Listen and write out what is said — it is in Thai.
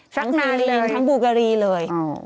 ทั้งซีรีนทั้งบรูกรีเลย